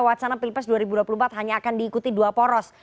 wacana pilpres dua ribu dua puluh empat hanya akan diikuti dua poros